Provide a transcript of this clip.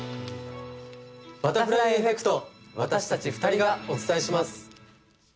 バタフライエフェクト私たち２人がお伝えします。